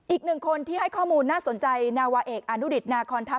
อีกหนึ่งคนที่ให้ข้อมูลน่าสนใจนาวาเอกอนุดิตนาคอนทัพ